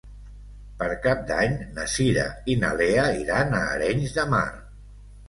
Per Cap d'Any na Cira i na Lea iran a Arenys de Mar.